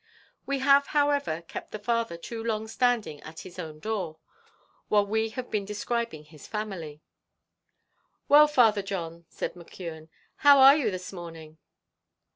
We have, however, kept the father too long standing at his own door, while we have been describing his family. "Well, Father John," said McKeon, "how are you this morning?"